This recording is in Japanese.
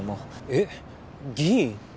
えっ議員？